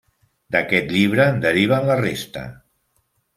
D'aquest llibre en deriven la resta.